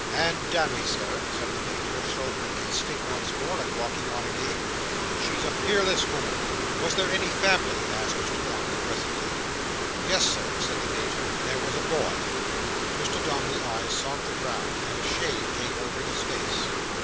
And damme, Sir," said the Major, shouldering his stick once more, and walking on again, "she's a peerless woman!" "Was there any family?" asked Mr Dombey presently. "Yes, Sir," said the Major. "There was a boy." Mr Dombey's eyes sought the ground, and a shade came over his face.